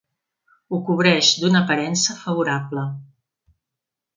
Ho cobreix d'una aparença favorable.